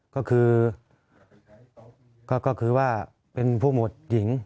ก็คือก็คือว่าเป็นผู้หมวดหญิง